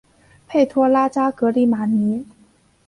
佩托拉扎格里马尼。